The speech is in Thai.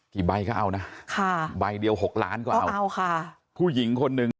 กี่ใบก็เอานะใบเดียว๖ล้านก็เอาผู้หญิงคนหนึ่ง